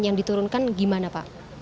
yang diturunkan gimana pak